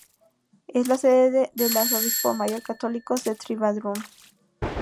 Es la sede del arzobispo mayor-Catholicós de Trivandrum.